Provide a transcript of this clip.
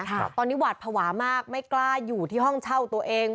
ตอนนี้หวาดภาวะมากไม่กล้าอยู่ที่ห้องเช่าตัวเอง